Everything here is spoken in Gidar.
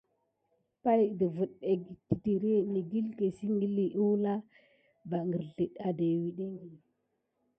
Pay ɗəfiŋ agəte titiré naku negəlke ikil kulan va kirzel adawuteki va.